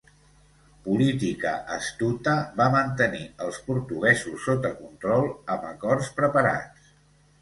Política astuta, va mantenir els portuguesos sota control amb acords preparats.